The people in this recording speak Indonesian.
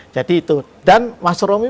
jadi itu dan mas romi